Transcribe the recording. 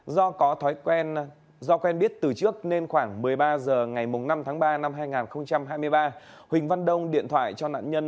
do có thói quen do quen biết từ trước nên khoảng một mươi ba h ngày năm tháng ba năm hai nghìn hai mươi ba huỳnh văn đông điện thoại cho nạn nhân